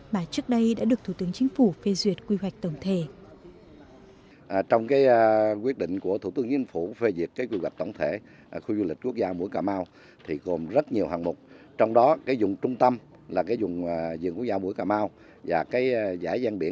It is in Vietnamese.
mà trước đây đã được thủ tướng chính phủ phê duyệt quy hoạch tổng thể